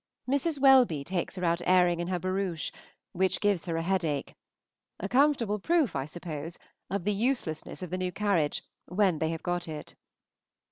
Mrs. Welby takes her out airing in her barouche, which gives her a headache, a comfortable proof, I suppose, of the uselessness of the new carriage when they have got it.